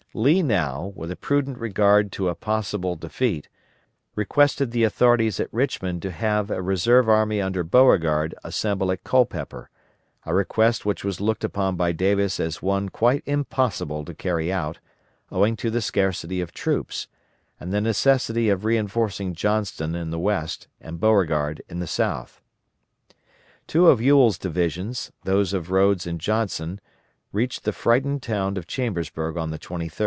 Lee now, with a prudent regard to a possible defeat, requested the authorities at Richmond to have a reserve army under Beauregard assemble at Culpeper; a request which was looked upon by Davis as one quite impossible to carry out, owing to the scarcity of troops, and the necessity of reinforcing Johnston in the West and Beauregard in the South. Two of Ewell's divisions, those of Rodes and Johnson, reached the frightened town of Chambersburg on the 23d.